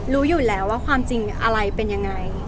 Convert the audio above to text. รู้อยู่แล้วว่าความจริงอะไรเป็นยังไง